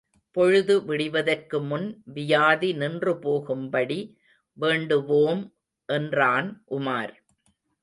பொழுது விடிவதற்குமுன் வியாதி நின்று போகும்படி வேண்டுவோம் என்றான் உமார்.